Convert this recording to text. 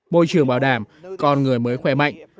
môi trường bảo đảm con người mới khỏe mạnh